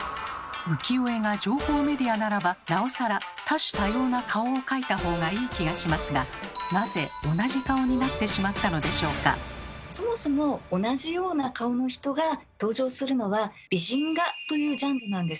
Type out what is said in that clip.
浮世絵が情報メディアならばなおさら多種多様な顔を描いたほうがいい気がしますがそもそも同じような顔の人が登場するのは美人画というジャンルなんです。